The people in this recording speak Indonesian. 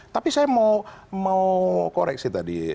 tapi saya mau koreksi tadi